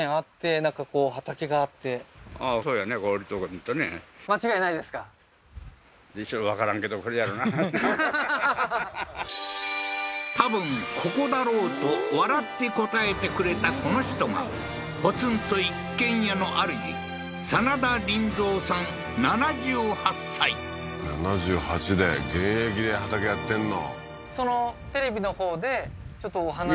本当に居た私多分ここだろうと笑って答えてくれたこの人がポツンと一軒家のあるじ７８で現役で畑やってんの？